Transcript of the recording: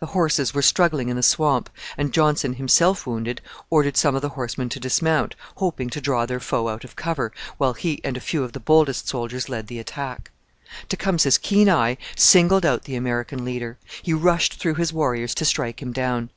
The horses were struggling in the swamp, and Johnson, himself wounded, ordered some of the horsemen to dismount, hoping to draw their foe out of cover, while he and a few of the boldest soldiers led the attack. Tecumseh's keen eye singled out the American leader. He rushed through his warriors to strike him down.